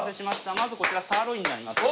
まずこちらサーロインになりますね。